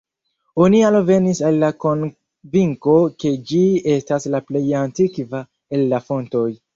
Oni alvenis al la konvinko ke ĝi estas la plej antikva el la fontoj.